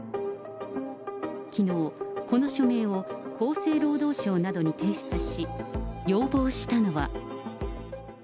きのう、この署名を厚生労働省などに提出し、要望したのは。